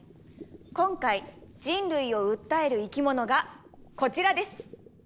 今回人類を訴える生き物がこちらです。